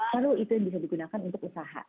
baru itu yang bisa digunakan untuk usaha